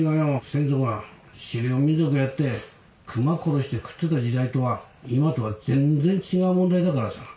先祖が狩猟民族やって熊殺して食ってた時代とは今とは全然違う問題だからさ。